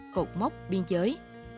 cột mốc biên giới